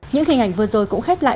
những hình ảnh vừa rồi cũng khép lại